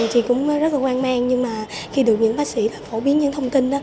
chị cũng rất là quan mang nhưng mà khi được những bác sĩ phổ biến những thông tin